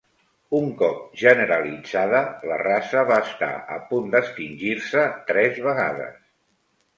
Un cop generalitzada, la raça va estar a punt d'extingir-se tres vegades.